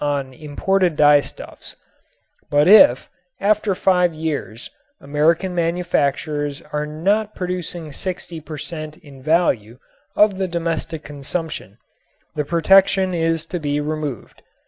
on imported dyestuffs; but if, after five years, American manufacturers are not producing 60 per cent. in value of the domestic consumption, the protection is to be removed.